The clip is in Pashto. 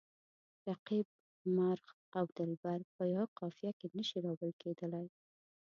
رقیب، مرغ او دلبر په یوه قافیه کې نه شي راوړل کیدلای.